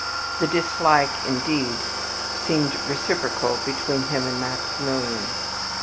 The dislike, indeed, seemed reciprocal between him and Maximilian.